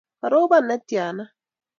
korobon netyana?